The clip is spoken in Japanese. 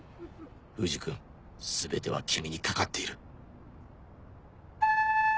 藤君全ては君に懸かっている